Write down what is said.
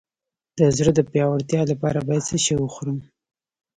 د زړه د پیاوړتیا لپاره باید څه شی وخورم؟